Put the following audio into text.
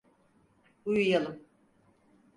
Uyuyalım.